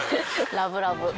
ラブラブ。